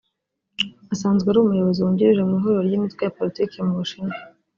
asanzwe ari Umuyobozi wungirije mu ihuriro ry’imitwe ya Politiki mu Bushinwa